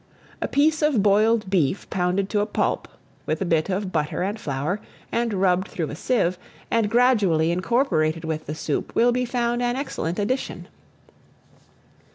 A piece of boiled beef pounded to a pulp, with a bit of butter and flour, and rubbed through a sieve, and gradually incorporated with the soup, will be found an excellent addition.